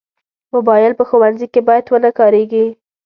موبایل په ښوونځي کې باید ونه کارېږي.